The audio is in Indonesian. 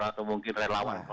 atau mungkin relawan